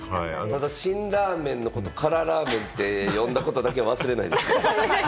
ただ辛ラーメンのこと、からラーメンって呼んだことだけ忘れないです。